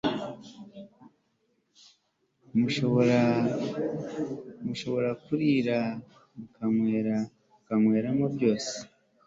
mushobora kurira mukanyweramo byose